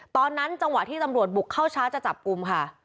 ตอนนั้นจังหวะที่ตำรวจบุกเข้าชาร์จจับกุมค่ะ